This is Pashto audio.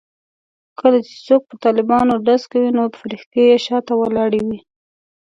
کله چې څوک پر طالبانو ډز کوي نو فرښتې یې شا ته ولاړې وي.